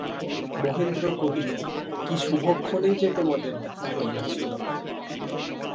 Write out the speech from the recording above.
মহেন্দ্র কহিল, কী শুভক্ষণেই যে তোমাদের দেখা হইয়াছিল।